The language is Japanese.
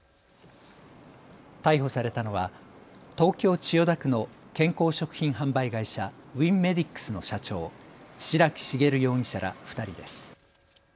逮捕されたのは東京千代田区の健康食品販売会社、ウィンメディックスの社長、白木茂容疑者ら２人です。